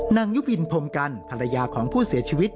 ยุบินพรมกันภรรยาของผู้เสียชีวิต